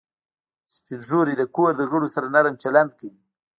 سپین ږیری د کور د غړو سره نرم چلند کوي